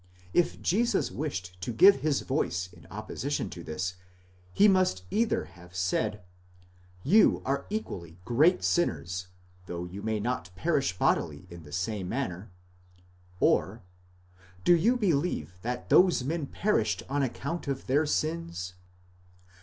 If Jesus wished to give his voice in opposition to this, he must either have said: you are equally great sinners, though you may not perish bodily in the same manner; or : do you believe that those men perished on account of their sins?